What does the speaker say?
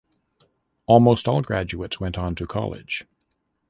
Almost all graduates went on to college.